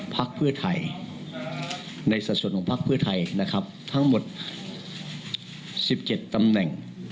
ภาคเพื่อไทยในสถาชนของภาคเพื่อไทยนะครับทั้งหมดสิบเจ็ดตำแหน่ง